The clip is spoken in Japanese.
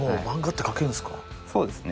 そうですね。